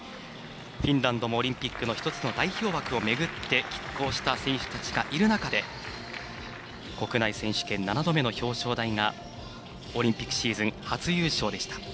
フィンランドもオリンピックの１つの代表枠を巡ってきっ抗した選手たちがいる中で国内選手権７度目の表彰台がオリンピックシーズン初優勝でした。